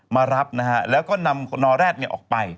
มารับนะฮะแล้วก็นำนอแร็ดออกไป